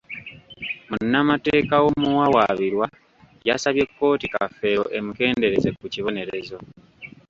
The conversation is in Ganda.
Munnamateeka w'omuwawaabirwa, yasabye kkooti Kafeero emukendeereze ku kibonerezo.